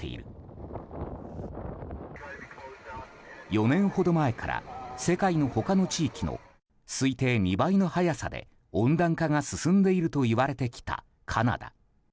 ４年ほど前から世界の他の地域の推定２倍の速さで温暖化が進んでいるといわれてきたカナダ。